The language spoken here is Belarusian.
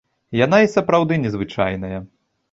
Яна і сапраўды незвычайная.